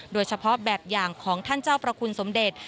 โดยเฉพาะแบบอย่างของท่านเจ้าพระคุณสมเด็จ